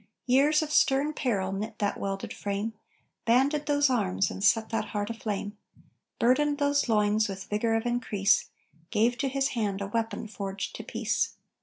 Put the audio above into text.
Years of stern peril knit that welded frame, Banded those arms and set that heart aflame, Burdened those loins with vigor of increase, Gave to his hand a weapon forged to peace.